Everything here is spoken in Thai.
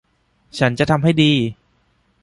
ฉันจะทำให้ดี